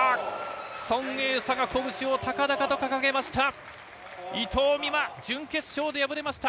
ソン・エイサが拳を高々と掲げました。